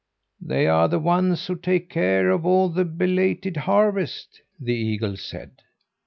"They are the ones who take care of all the belated harvest," the eagle said.